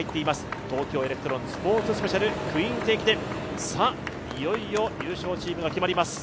東京エレクトロンスポーツスペシャルクイーンズ駅伝。